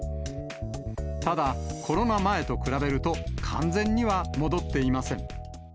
ただ、コロナ前と比べると、完全には戻っていません。